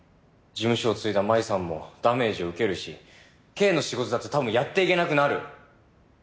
事務所を継いだ舞さんもダメージを受けるしケイの仕事だって多分やっていけなくなる。